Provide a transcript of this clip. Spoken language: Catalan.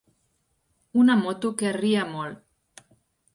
Una moto que arria molt.